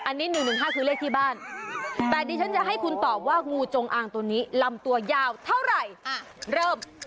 อันนี้๑๑๕คือเลขที่บ้านแต่ดิฉันจะให้คุณตอบว่างูจงอางตัวนี้ลำตัวยาวเท่าไหร่เริ่ม